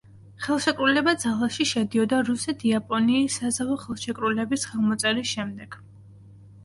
ხელშეკრულება ძალაში შედიოდა რუსეთ-იაპონიის საზავო ხელშეკრულების ხელმოწერის შემდეგ.